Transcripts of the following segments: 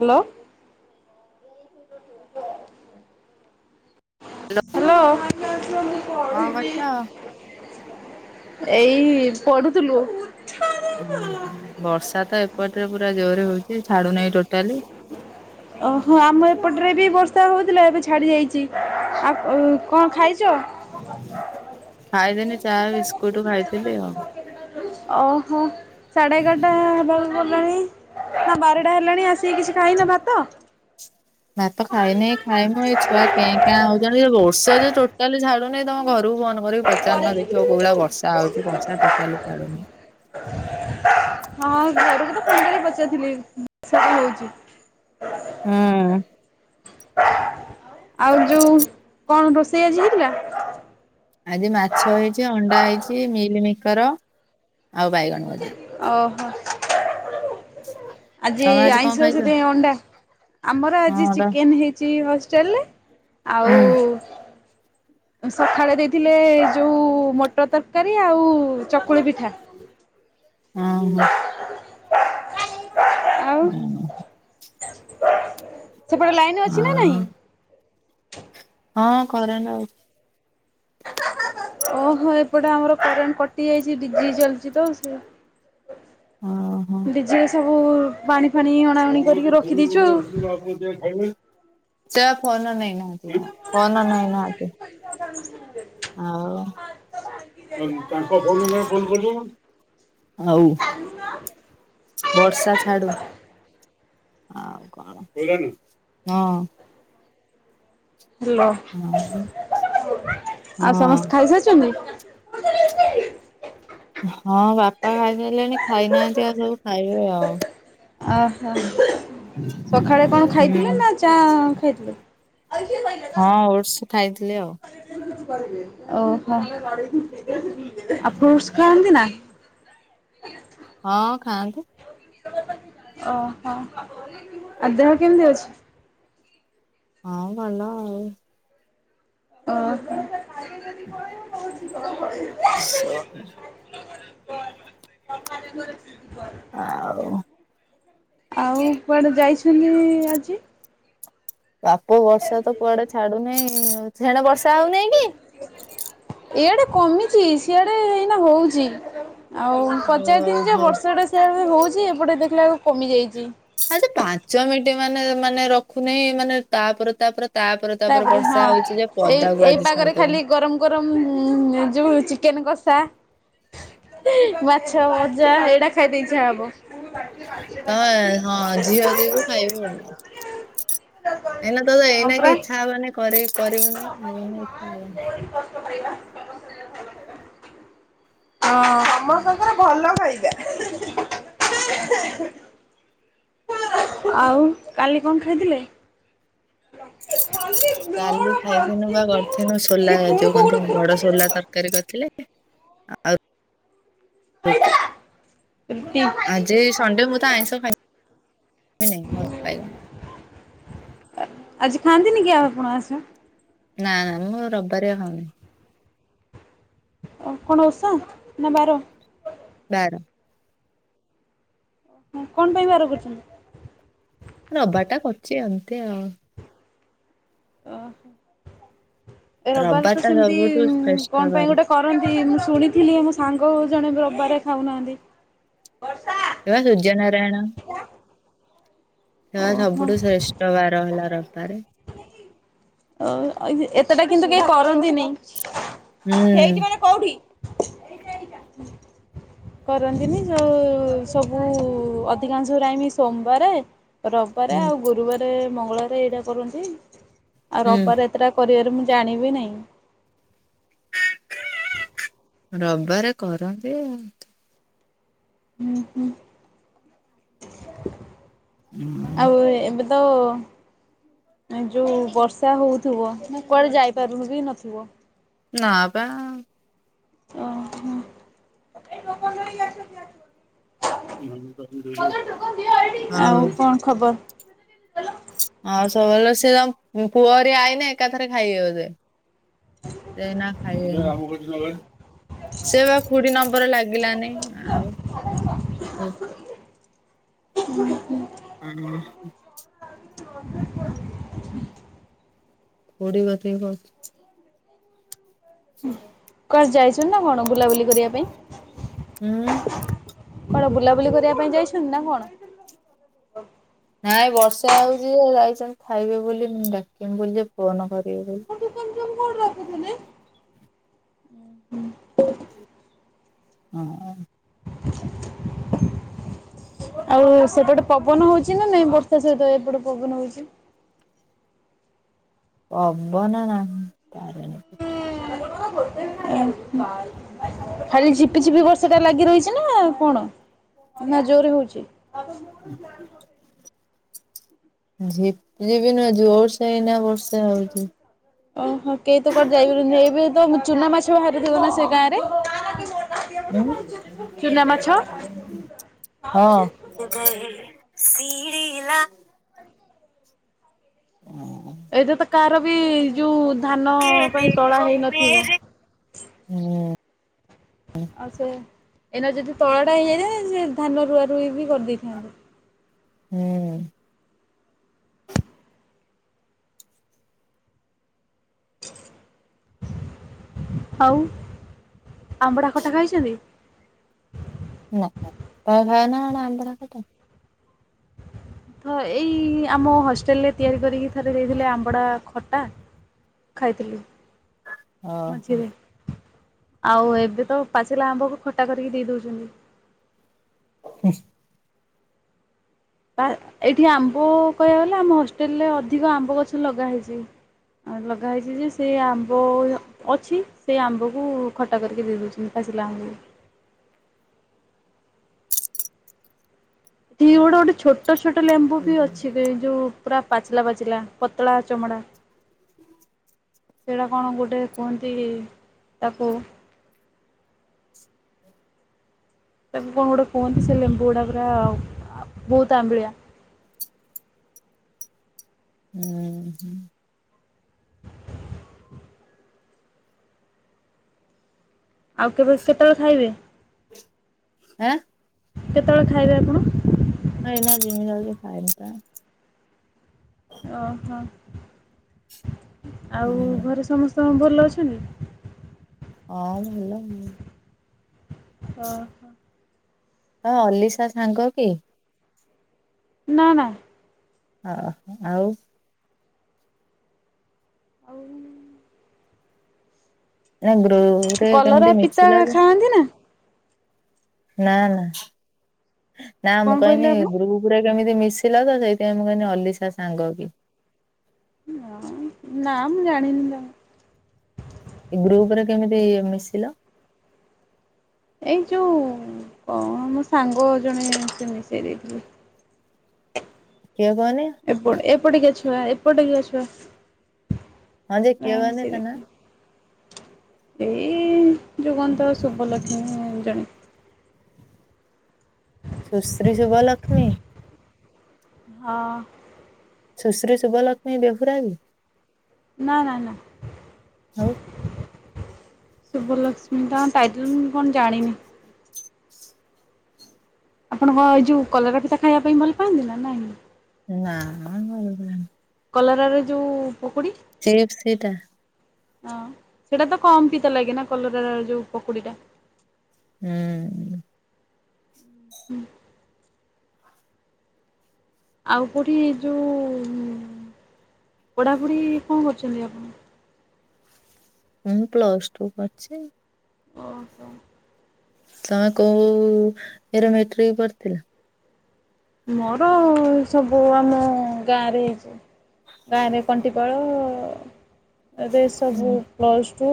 Hello ହ୍ୟାଲୋମୁଁ କଣ ପଢିବି କରୁଛ? ଏଇ ପଢୁଥିଲୁ ଉ ହୁ ବର୍ଷା ତ ଏପଟରେ ପୁରା ଜୋରରେ ହଉଛି ଛାଡୁନାହିଁ ଟୋଟାଲି ଓହୋ ଆମ ଏପଟରେ ବି ବର୍ଷା ହଉଥିଲା ଏବେ ଛାଡି ଯାଇଛି। ଆ ଉ କଣ ଖାଇଛ? ଖାଇଦେନି ଚାହା ବିସ୍କୁଟ ଖାଇଥିଲି ଆଉ ଓହୋ ସାଢ଼େ ଏଗାରଟା ହେବାକୁ ଗଲେ ନାଇଁ ଆ ବାରଟା ହେଲାଣି ଆସିକି କିଛି ଖାଇନ ଭାତ ଭାତ ଖାଇନାଇଁ ଖାଇମୁଁ ଏ ଛୁଆ କେ କାଁ ହଉଛନ୍ତି। ଏ ବର୍ଷା ଯେ ଟୋଟାଲି ଛାଡୁନିଁ ତମ ଘରକୁ ଫୋନ କରିକି ପଚାରୁନ ଦେଖିବ କୋଉ ଭଳିଆ ବର୍ଷା ହଉଛି ବର୍ଷା ଟୋଟାଲି ଚ୍ଛାଡୁନି। [inaudible] ହଁ ଘରକୁ ତ ଫୋନ କରିକି ପଚାରିଥିଲି ସେଠି ହଉଛି। ହୁଁ। ଆଉ ଯୋଉ କଣ ରୋଷେଇ ଆଜି ହେଇଥିଲା? ଆଜି ମାଛ ହେଇଛି ଅଣ୍ଡା ହେଇଛି ମିଲମିକର ଆଉ ବାଇଗଣ ଭଜା। ଓହୋ ଆଜି ତମେ କଣ ଆଇଷ ଖାଇଛ? ସେଥି ପାଇଁ ଅଣ୍ଡା? ଆମର ଆଜି ହଁ ବା ଚିକେନ ହେଇଛି ହଷ୍ଟେଲରେ ଆଉ ହୁଁ ସଖାଳେ ଦେଇଥିଲେ ଯୋଉ ମଟର ତରକାରୀ ଆଉ ଚକୁଳି ପିଠା। ହଁ ହଁ। ଆଉ ହୁଁ। ସେପଟେ ଲାଇନ୍ ଅଛି ନା ଆଉ ନାହିଁ? ହଁ କରେଟେ ଅ ଓହୋ ଏପଟେ ଆମର କରେଣ୍ଟ କଟି ଯାଇଛି ଡିଜି ଚାଲିଛି ତ ସେ ଓ ହୋ। ଡିଜେ ରେ ସବୁ ପାଣି ଫାଣି [unintelligible] ଅଣାଅଣି କରିକି ରଖିଦେଇଛୁ ଆଉ। ମାଆ ପୁଅ ଖାଇବେ ସେ ବା ଫୋନ ନେଇ ନାହାନ୍ତି ଫୋନ ନେଇ ନାହାନ୍ତି। [unintelligible] ଆଉ ତାଙ୍କ ଫୋନ କୁ ନହେଲେ ଫୋନ କରିଦଉନା। ଆଉ [unintelligible] ବର୍ଷା ଛାଡୁ ଆଉ କଣ ଶୋଇଲେଣି ହଁ ହ୍ୟାଲୋ ହଁ [inaudible] ଆଉ ସମସ୍ତେ ଖାଇସାରିଛନ୍ତି? ହଁ ବାପା ଖାଇସାରିଲେଣି ଖାଇନାହାନ୍ତି ଆଉ ସବୁ ଖାଇବେ ଆଉ। ଆହ। ସକାଳେ କଣ ଖାଇଥିଲେ ହୁଁ ନା ଚା ଖାଇଥିଲେ? ହଁ ଓଟସ୍ ଖାଇଥିଲି ଆଉ ଓହୋ [inaudible] ଆ ଫ୍ରୁଟସ ଖାଅନ୍ତି ନା? ହଁ ଖାଆନ୍ତି। ଓହୋ ଆଉ ଦେହ କେମିତି ଅଛି? ହଁ ଭଲ ଆଉ। ଓହୋ [inaudible] ସ। [unintelligible] [unintelligible] ଆଉ। ଆଉ କୁଆଡ଼େ ଯାଇଛନ୍ତି ଆଜି? ବାପ ବର୍ଷା ତ କୁଆଡେ ଛାଡ଼ୁ ନାହିଁ। ସେଣେ ବର୍ଷା ହଉନେଇ କି? ଇଆଡ଼େ କମିଛି ସିଆଡ଼େ ଏଇନା ହଉଛି। ଆଉ ପଚାରିଥିଲି ଯେ ଓହୋ। ବର୍ଷଟା ସେଇଆଡ଼େ ହୋଉଛି ଏପଟେ ଦେଖିଲା ଆକୁ କମିଯାଇଛି। ଆ ସେ ପାଞ୍ଚ ମିନଟ ମାନେ ମାନେ ରଖୁନି ମାନେ ତାପରେ ତାପରେ ତାପରେ ତାପରେ ବର୍ଷା ହଉଛି ଯେ ହଁ ଏଇ ପଦାକୁ ଆଜି ଏଇପାଗରେ ଛାଡିଦଉନି। ଖାଲି ଗରମ ଗରମ ଯୋଉ ଚିକେନ କଷା ମାଛ ଭଜା ଏଇଟା ଖାଇ ତେ ଇଛା ହବ। ତ ହଁ ଝିଅ ଯିବୁ ଖାଇବୁ ଆଉ। ଏଇନା ତ ହଁ ଏଇନା ପରା ଟିକେ ଇଚ୍ଛା ହବନି କରିବୁନି ଇଛା ହବନି। [unintelligible] ହଁ ସମସ୍ତଙ୍କର ଭଲ ଫାଇଦା। ଆଉ କାଲି କଣ ଖାଇଥିଲେ? କାଲି ଖାଇଥିନୁ ବା କରିଥିନୁ ସୋଲା ଯୋଉ କନ୍ତି ବଡ଼ ସୋଲା ତରକାରି। [unintelligible] କରିଥିଲେ ଆଉ ରୁଟି। ଆଜି ସଣ୍ଡେ ମୁଁ ତ ଆଇଁଷ [unintelligible] ଆଜି ଖାଆନ୍ତିନି କି ଆଉ ଆପଣ ଆସ ନା ନା ମୁଁ ରବିବାର ଖାଉନି। ଓ କଣ ଓଷା ନା ବାର? ବାର। କଣ ପାଇଁ ବାର କରୁଛନ୍ତି? ରବିବାର ଟା କରୁଛି ଏମତି ଆଉ। ଏ ରବିବାର ତ ଟା ସେମିତି ସବୁଠୁ ଶ୍ରେଷ୍ଠ କଣ ପାଇଁ ବାର ଗୋଟେ କରନ୍ତି ମୁଁ ଶୁଣିଥିଲି ମୋ ସାଙ୍ଗ ଜଣେ ରବିବାରେ ଖାଉନାହାନ୍ତି। ଏ ବା ସୂର୍ଯ୍ୟ ନାରାୟଣ ସେ ଓହୋ ସବୁଠୁ ଶ୍ରେଷ୍ ବାର ହେଲା ରବିବାରେ। ଏତେଟା କିନ୍ତୁ କେହି କରନ୍ତିନାଇଁ। ହୁଁ ହେଇଠି ମାନେ କୋଉଠି? କରନ୍ତିନି ଯେଉଁ ସବୁ ଅଧିକାଂଶ ଟାଇମ ସୋମବାରେ ରବିବାର ହୁଁ ଆଉ ଗୁରୁବାର, ମଙ୍ଗଳବାର ଏଇଟା କରନ୍ତି ଆଉ ହୁଁ ରବିବାର ଯାତ୍ରା କରିବାରେ ମୁଁ ଜାଣିବି ନାହିଁ। ରବିବାର କରନ୍ତି ଆଉ। ହଁ ହଁ ଆଉ ଏ ତ ଯଉ ବର୍ଷା ହେଉଥିବ କୁଆଡ଼େ ଯାଇପାରୁନି କି ନଥିବ। ନା ବା ଓ ହ ଆଉ ହଁ। କଣ ଖବର ଆଉ ସବୁବେଳେ ସିଏ ତ ପୁଅରେ ଆଇଲେ ଏକାଥରେ ଖାଇବେ ବ ଏଇନା ଖାଇବୁ। ସେ ବା ଖୁଡି ନମ୍ବର ଲାଗିଲାନି ଆଉ। [unintelligible] [inaudible] [inaudible] [unintelligible] କୁଆଡେ ଯାଇଛ ନା କଣ ବୁଲାବୁଲି? ପାଇଁ ଉଁ କୁଆଡେ ବୁଲାବୁଲି କରିବା ପାଇଁ ଯାଇଛନ୍ତି ନା କଣ? ନାଇଁ ବର୍ଷା ହଉଛି ଯାଇଛନ୍ତି ଖାଇବେ ବୋଲି ମୁ ଡାକମି ବୋଲି ଯେ ଫୋନ କରିବି ବୋଲି। [unintelligible] ହଁ ଆଉ ସେପଟେ ପବନ ହଉଚି ନା ନାଇଁ? ବର୍ଷା ସହିତ ଏପଟେ ପବନ ହଉଚି। ପବନ ନାହିଁ। [inaudible] ଆରେ ଝିପି ଝିପି ବର୍ଷଟା ଲାଗି ରହିଚି ନା କଣ? ନା ଜୋର୍ ରେ ହଉଚି? ଝିପି ଝିପି ନୁହେଁ ଜୋର୍ ସେ ଏଇନା ବର୍ଷ୍ ଷା ହଉଚି। ଓହୋ କେହି ତ କୁଆଡେ ଯାଇ ହବନି ଏବେ ତ ଚୁନା ମାଛ ବାହାରୁିଥିବ ନା ସେ ଗାଁ ରେ? ଚୁନା ମାଛ ହୁଁ ହଁ। ହଁ। ଏଇଟା ତ କାହାର ବି ଯଉ ଧାନ କେ ପାଇଁ ତଳା ଦେଖୋ ହେଇନଥିବ। ମେରେ ହୁଁ। ଆଉ ସେ ଏଇନା ଯଦି ତଳ ଟା ହେଇଯାଇଥାନ୍ତା ସେ ଧାନ ରୁଆ ରୁଇ ବି କରିଦେଇଥାନ୍ତେ। ହୁଁ। ଆଉ ଆମ୍ବଡା ଖଟା ଖାଇଚନ୍ତି? ନା- ନା -ନା ନା ଆମ୍ୱଡା ଖଟା। ହ- ଏଇ ଆମ ହଷ୍ଟେଲରେ ତିଆରି କରିକି ଥରେ ଦେଇଥିଲେ ଆମ୍ବଡ଼ା ଖଟା ଖାଇଥିଲି। ଓହୋ। ମଝିରେ ଆଉ ଏବେ ତ ପାଚିଲା ଆମ୍ବକୁ ଖଟା କରିକି ଦେଇ ଦଉଚନ୍ତି। ହସ୍ ବା -ଏଇଠି ଆମ୍ବ କହିବାକୁ ଗଲେ ଆମ ହଷ୍ଟେଲରେ ଅଧିକ ଆମ୍ବ ଗଛ ଲଗା ହେଇଚି। ଆଉ ଲଗା ହେଇଚି ଯେ ସେ ଆମ୍ବ ଅଛି ସେଇ ଆମ୍ବକୁ ଖଟା କରିକି ଦେଇ ଦଉଚନ୍ତି ପାଚିଲା ଆମ୍ବକୁ। ଧି ଗୋଟେ -ଗୋଟେ ଛୋଟ ଛୋଟ ଲେମ୍ବୁ ହୁଁ ବି ହୁଁ ଅଛି କେ ଯଉ ପୁରା ପାଚିଲା ପାଚିଲା ପତଳା ଚମଡ଼ା। ସେଇଟା କଣ ଗୋଟେ କୁହନ୍ତି ତାକୁ ତାକୁ କଣ ଗୁଟେ କୁହନ୍ତି ସେ ଲେମ୍ବୁ ଗୁଡ଼ା ପୁରା ବହୁତ ଆମ୍ୱିଳିଆ। ହୁଁ। ଆଉ କେବେ- କେତେବଳେ ଖାଇବେ? ଆଁ। କେତେବଳେ ଖାଇବେ ଆପଣ? ନାଇଁ ଏଇନା ଜିମି ଯାଉଚି ଖାଇବିତ। ଓହୋ ଆଉ ହୁଁ। ଘରେ ସମସ୍ତଙ୍କ ଭଲ ଅଛନ୍ତି? ହଁ ଭଲ। ହଁ। ଅ- ଅଲିସା ସାଙ୍ଗ କି? ନା- ନା। ଓହ ଆଉ ଆଉ ନା ଗ୍ରପୁ ରେ କଲରା କେମିତି ପିତା ମିଶିଲ ଯେ ଖାଆନ୍ତି ନା? ନା ନା -ନା କଣ ମୁଁ କହିଲେ କହିଲି ଆପଣ? ଗ୍ରୁପ୍ ପୁରା କେମିତି ମିଶିଲ ଯେ ସେଇଥିପାଇଁ ମୁଁ କହିଲି ଅଲିସା ସାଙ୍ଗ କି। ହଁ- ନା ମୁଁ ଜାଣିନି ତ। ଏ ଗ୍ରୁପ ରେ କେମିତି ମିଶିଲ? ଏଇ ଯଉ କଣ ମୋ ସାଙ୍ଗ ଜଣେ ସେ ମିଶେଇ ଦେଇଥିଲେ। କିଏ କହନି? ଏପଟ- ଏପଟିକା ଛୁଆ ଏପଟିକା ଛୁଆ। ହଁ ଯେ ସେ କିଏ କହନି ମିଶେଇ ତା ନାଁ ଦେଇଥିଲେ ଏଇ ଯଉ କଣ୍ ତ ଶୁଭଲକ୍ଷ୍ମୀ ଉଁ- ଜଣେ। ସୁଶ୍ରୀ ଶୁଭଲକ୍ଷ୍ମୀ? ହଁ। ସୁଶ୍ରୀ ଶୁଭଲକ୍ଷ୍ମୀ ବେହୁରା ବି? ନା ନା ନା ଆଉ ଶୁଭଲକ୍ଷ୍ସ୍ ଉଁ ତାଙ୍କ ଟାଇଟେଲ ମୁଁ କଣ ଜାଣିନି। ଆପଣଙ୍କ ଏଇ ଯୋଉ କଲରା ପିତା ଖାଇବା ପାଇଁ ଭଲ ପାଆନ୍ତି ନା ନାହିଁ? ନା ଭଲପାଏନି। କଲରାରେ ଯୋଉ ପକୁଡି? ସେଏପ ସେଇଟା? ହଁ ସେଇଟା ତ କମ୍ ପିତା ଲାଗେ ନା କଲରାର ଯୋଉ ପକୁଡିଟା। ହୁଁଉଁ। ହୁଁ। ଆଉ କୋଉଠି ଯୋଉ ଉଁ ପଢ଼ାପଢ଼ି କଣ କରୁଛନ୍ତି ଆପଣ? ମୁଁ ପ୍ଲସ ଟୁ କରିଛି। ଓହୋ। ତମେ କୋଉ ଇୟର ମେଟ୍ରିକ ପଡିଥିଲ? ମୋର ସବୁ ଆମ ଗାଁରେ ହେଇଛି। ଗାଁରେ କଣ୍ଟି ପାଳରେ ସବୁ ହୁଁ। ପ୍ଲସ୍ ଟୁ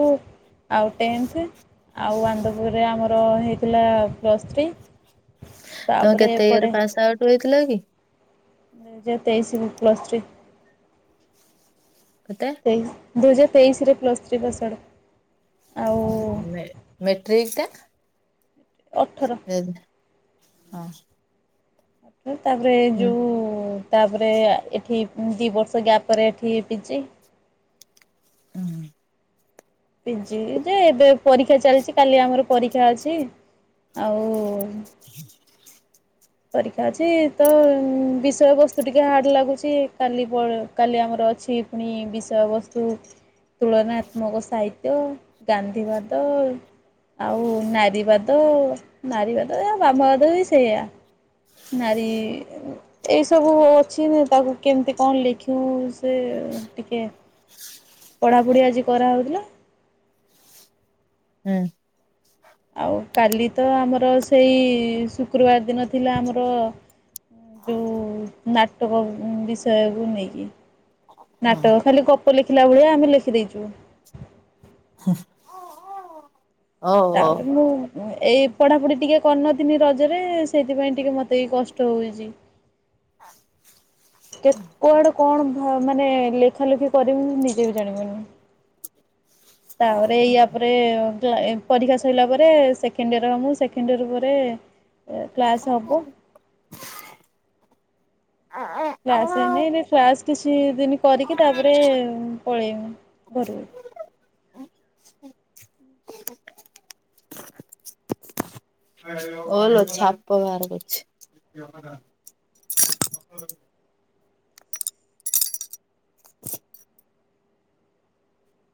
ଆଉ ଟେନ୍ଥେ ଆଉ ଆନନ୍ଦପୁରରେ ଆମ ର ହେଇଥିଲା ପ୍ଲସ୍ ଥ୍ରୀ। ତମେ ତାପରେ କେତେ ଏପଟେ ଇୟରରେ ପାସ୍ ଆଉଟ୍ ହେଇଥିଲ କି? ଦୁଇହଜାର ତେଇଶିରୁ ପ୍ଲସ୍ ଥ୍ରୀ। କେତେ? ତେଇଶି ଦୁଇହଜାର ତେଇଶିରେ ପ୍ଲସ୍ ଥ୍ରୀ ପାସ୍ ଆଉଟ୍। ଆଉ ମେ-ମେଟ୍ରିକ୍ ଟା? ଅଠର ସେ ହଁ। ଉଁ ତାପରେ ହୁଁ ଯୋଉ ତାପରେ ଆ ଏଠି ଦି ବର୍ଷ ଗ୍ୟାପ୍ ପରେ ଏଠି ପିଜି। ହୁଁ। ପିଜି ଯେ ଏବେ ପରୀକ୍ଷା ଚାଲିଛି କାଲି ଆମର ପରୀକ୍ଷା ଅଛି। ଆଉ ପରୀକ୍ଷା ଅଛି ତ ବିଷୟବସ୍ତୁ ଟିକେ ହାର୍ଡ଼ ଲାଗୁଛି। କାଲି ପଢ କାଲି ଆମର ଅଛି ପୁଣି ବିଷୟବସ୍ତୁ ତୁଳନାତ୍ମକ ସାହିତ୍ୟ, ଗାନ୍ଧୀବାଦ ଆଉ ନାରୀବାଦ। ନାରୀବାଦ ଆ ବାମବାଦ ବି ସେଇୟା। ନାରୀ ଏଇ ସବୁ ଅଛି ନା ତାକୁ କେମିତି କଣ ଲେଖିବୁ ସେ ଟିକେ ପଢାପଢି ଆଜି କରାହଉଥିଲା। ହୁଁ। ଆଉ କାଲି ତ ଆମର ସେଇ ଶୁକ୍ରବାର ଦିନ ଥିଲା ଆମର ଯୋଉ ନାଟକ ଉଁ ବିଷୟକୁ ନେଇକି। ହଁ। ନାଟକ ଖାଲି ଗପ ଲେଖିଲା ଭଳିଆ ଆମେ ଲେଖିଦେଇଛୁ। ହୁଁ। ତା‌ପରେ ମୁଁ ମୁଁ ଏଇ ପଢାପଢି ଟିକେ କରିନଥିନି ରଜରେ ସେଇଥିପାଇଁ ଟିକେ ମତେ ବି କଷ୍ଟ ହଉଛି। କେତ୍ କୁଆଡୁ କଣ ଭ ମାନେ ଲେଖାଲେଖି କରିବି ମୁଁ ନିଜେ ବି ଜାଣିପାରୁନି। ତାପରେ ୟା ପରେ [unintelligible] ଏ ପରୀକ୍ଷା ସରିଲା ପରେ ସେକେଣ୍ଡ ଇୟର୍ ହବ। ସେକେଣ୍ଡ ଇୟର୍ ପରେ ଏ କ୍ଲାସ୍ ହବ। କ୍ଲାସ୍ ହେଇନି ଏବେ। କ୍ଲାସ୍ କିଛି ଦିନି କରିକି ତାପରେ ପଳେଇବୁ ଘରୁକୁ। ହିଁ ଓଲୋ ଛାପ ବାହାର କରୁଛି।